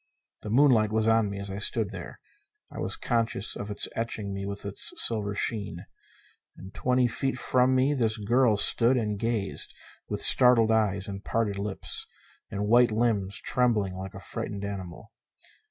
The moonlight was on me as I stood there. I was conscious of its etching me with its silver sheen. And twenty feet from me this girl stood and gazed, with startled eyes and parted lips and white limbs trembling like a frightened animal.